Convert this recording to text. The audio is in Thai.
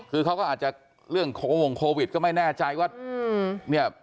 คือเขาก็อาจจะเรื่องโควงโควิดก็ไม่แน่ใจว่าเนี่ย